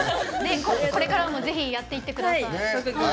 これからもぜひやっていってください。